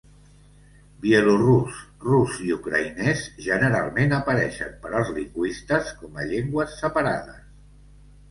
Bielorús, rus i ucraïnès generalment apareixen per als lingüistes com a llengües separades.